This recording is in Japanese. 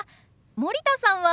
森田さんは？